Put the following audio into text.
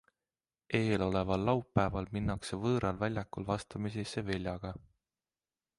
Eeloleval laupäeval minnakse võõral väljakul vastamisi Sevillaga.